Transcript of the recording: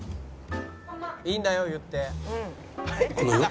「いいんだよ言って」